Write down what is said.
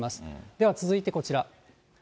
では続いてこちら。